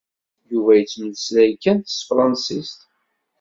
Yuba yettmeslay kan s tefransist.